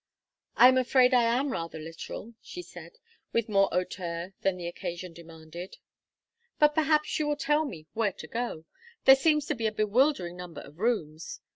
"I am afraid I am rather literal," she said, with more hauteur than the occasion demanded. "But perhaps you will tell me where to go. There seems to be a bewildering number of rooms.